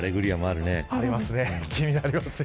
気になりますね。